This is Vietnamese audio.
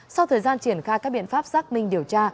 sau thời gian triển khai các biện pháp xác minh điều tra